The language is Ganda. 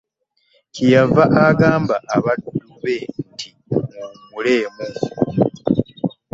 Kye yava agamba abaddu be nti muwummulemu.